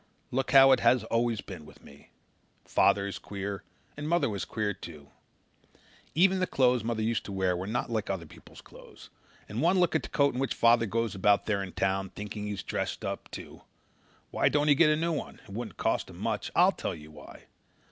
Look how it has always been with me. Father is queer and mother was queer, too. Even the clothes mother used to wear were not like other people's clothes, and look at that coat in which father goes about there in town, thinking he's dressed up, too. Why don't he get a new one? It wouldn't cost much. I'll tell you why.